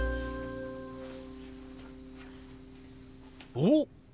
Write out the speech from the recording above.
おっ！